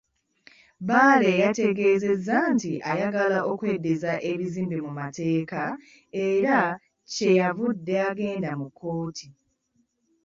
Bbaale yategeezezza nti ayagala okweddizza ebizimbe mu mateeka era kye yavudde agenda mu kkooti.